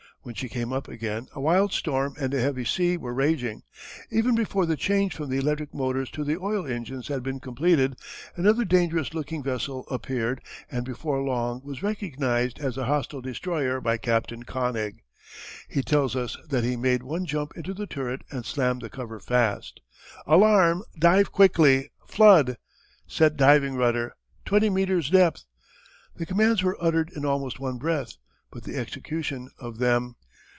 When she came up again a wild storm and a heavy sea were raging. Even before the change from the electric motors to the oil engines had been completed, another dangerous looking vessel appeared and before long was recognized as a hostile destroyer by Captain König. He tells us that he "Made one jump into the turret and slammed the cover fast." "Alarm! Dive quickly! Flood!" "Set diving rudder!" "Twenty meters' depth!" The commands were uttered in almost one breath. But the execution of them!